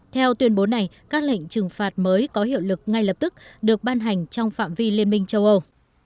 theo tuyên bố này các lệnh trừng phạt mới có hiệu lực ngay lập tức được ban hành trong phạm vi liên minh châu âu